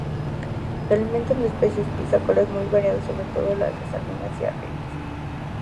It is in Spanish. Se alimenta de especies piscícolas muy variadas, pero sobre todo de sardinas y arenques.